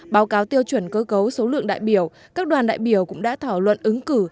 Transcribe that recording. báo cáo tiêu chuẩn cơ cấu số lượng đại biểu các đoàn đại biểu cũng đã thảo luận ứng cử